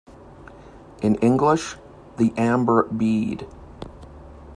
In English, The Amber Bead.